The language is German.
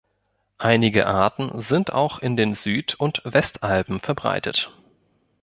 Einige Arten sind auch in den Süd- und Westalpen verbreitet.